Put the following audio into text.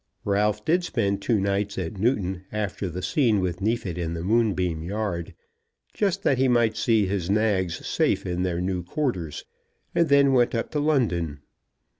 Ralph did spend two nights at Newton after the scene with Neefit in the Moonbeam yard, just that he might see his nags safe in their new quarters, and then went up to London.